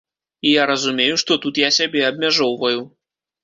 І я разумею, што тут я сябе абмяжоўваю.